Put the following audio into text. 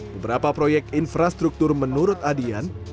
beberapa proyek infrastruktur menurut adian